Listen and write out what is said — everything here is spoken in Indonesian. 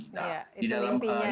nah di dalam memanfaatkan